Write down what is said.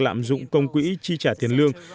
lạm dụng công quỹ chi trả tiền lương